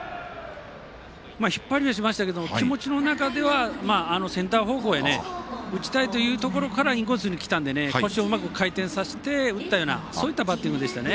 引っ張りはしましたが気持ちの中ではセンター前に打ちたいというところからインコースにきたんで腰をうまく回転させて打ったようなバッティングでしたね。